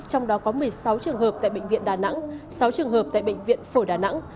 trong đó có một mươi sáu trường hợp tại bệnh viện đà nẵng sáu trường hợp tại bệnh viện phổi đà nẵng